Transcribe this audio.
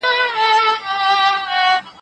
ورښودلي خپل استاد وه څو شعرونه